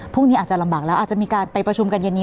พรุ่งนี้อาจจะลำบากแล้วอาจจะมีการไปประชุมกันเย็นนี้